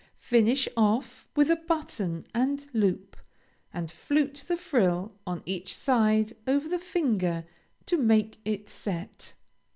Finish off with a button and loop, and flute the frill on each side over the finger to make it set.